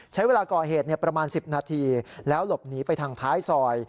ใช้เวลาก่อเหตุประมาณ๑๐นาทีแล้วหลบหนีไปทางท้ายซอย